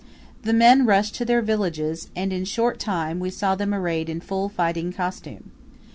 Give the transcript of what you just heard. The men rushed to their villages, and in a short time we saw them arrayed in full fighting costume.